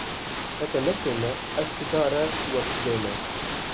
Heke ne fen e, ev çi dar û ben e.